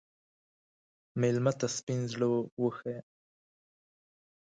مېلمه ته سپین زړه وښیه.